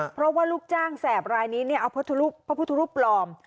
เพราะว่าลูกจ้างแสบรายนี้เอาพระพุทธรูปปลอม